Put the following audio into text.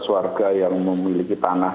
warga yang memiliki tanah